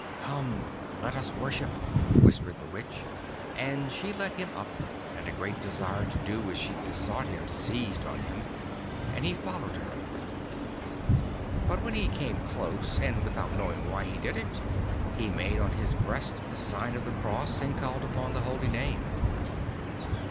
'Come! let us worship,' whispered the Witch, and she led him up, and a great desire to do as she besought him seized on him, and he followed her. But when he came close, and without knowing why he did it, he made on his breast the sign of the Cross, and called upon the holy name.